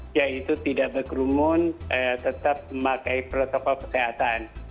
yaitu tidak berkerumun tetap memakai protokol kesehatan